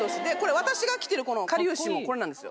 私が着てるこのかりゆしもこれなんですよ